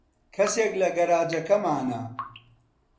کەسێک لە گەراجەکەمانە.